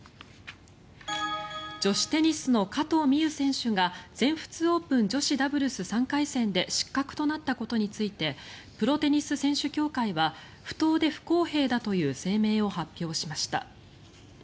女子テニスの加藤未唯選手が全仏オープン女子ダブルス３回戦で失格となったことについてプロテニス選手協会は不当で不公平だという声明を発表しました。